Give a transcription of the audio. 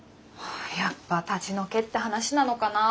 やっぱ立ち退けって話なのかなあ